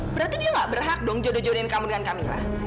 berarti dia gak berhak dong jodoh jodohin kamu dengan kami lah